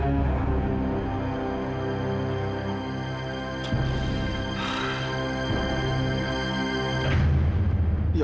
ini demi kesehatan bapak pak